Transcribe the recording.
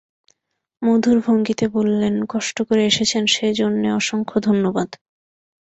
মধুর ভঙ্গিতে বললেন, কষ্ট করে এসেছেন সে জন্যে অসংখ্য ধন্যবাদ।